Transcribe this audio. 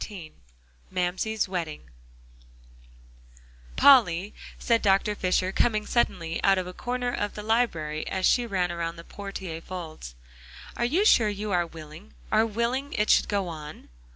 XIV MAMSIE'S WEDDING "Polly," said Dr. Fisher, coming suddenly out of a corner of the library as she ran around the portiere folds, "you are sure you are willing are willing it should go on?"